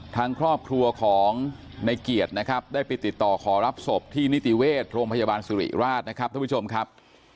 ทางครอบครัวของในเกียรตินะครับได้ไปติดต่อขอรับศพที่นิติเวชโรงพยาบาลสุริราชนะครับท่านผู้ชมครับ